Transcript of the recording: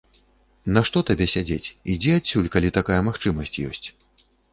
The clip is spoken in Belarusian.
Нашто табе сядзець, ідзі адсюль, калі такая магчымасць ёсць.